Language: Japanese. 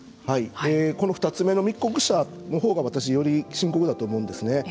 この２つ目の密告者のほうが私、より深刻だと思うんですね。